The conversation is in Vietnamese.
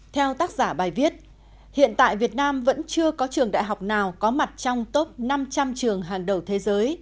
theo tác giả bài viết hiện tại việt nam vẫn chưa có trường đại học nào có mặt trong top năm trăm linh trường hàng đầu thế giới